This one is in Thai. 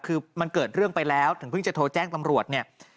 คือมันเกิดเรื่องไปแล้วถึงเพิ่งจะโทรแจ้งตำรวจเนี่ย